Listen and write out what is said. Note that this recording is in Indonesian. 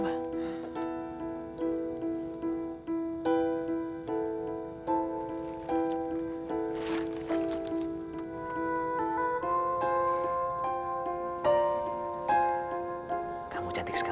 pakaian kamu basah kan